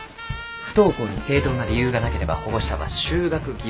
不登校に正当な理由がなければ保護者は就学義務違反。